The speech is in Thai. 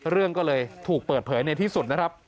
เรื่องก็เลยถูกเปิดเผยในที่สุด